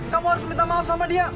kamu harus minta maaf sama dia